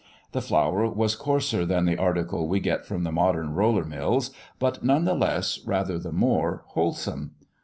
The flour was coarser than the article we get from the modern roller mills, but none the less, rather the more, wholesome.